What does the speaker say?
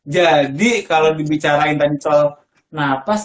jadi kalau dibicarain tentang celap nafas